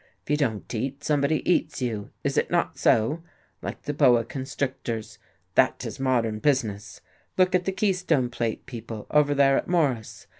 If you don't eat, somebody eats you is it not so? Like the boa constrictors that is modern business. Look at the Keystone Plate people, over there at Morris.